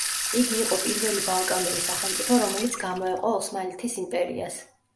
იგი იყო პირველი ბალკანური სახელმწიფო, რომელიც გამოეყო ოსმალეთის იმპერიას.